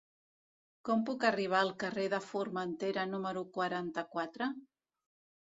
Com puc arribar al carrer de Formentera número quaranta-quatre?